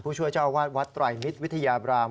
ผู้ช่วยเจ้าวาดวัดตรายมิตรวิทยาบราม